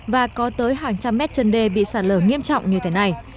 và có tới hàng trăm mét chân đê bị sạt lở nghiêm trọng như thế này